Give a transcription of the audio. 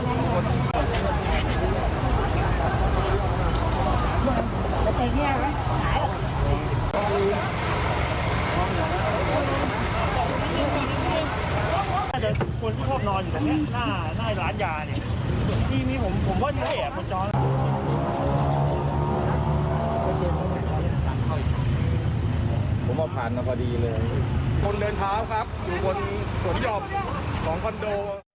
คนเดินเท้าครับอยู่บนสวนหย่อมพลสองคอนโด